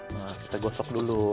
nah kita gosok dulu